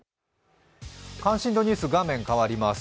関心度ニュース画面変わります。